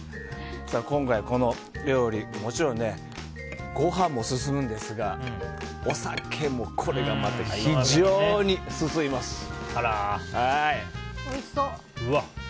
今回、この料理もちろんご飯も進むんですがお酒もこれがまた非常に進みます。